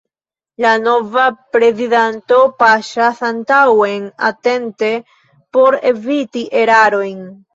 La nova prezidanto paŝas antaŭen atente por eviti erarojn.